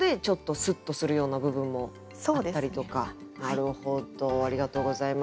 なるほどありがとうございます。